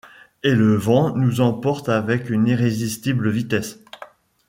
Et le vent nous emporte avec une irrésistible vitesse!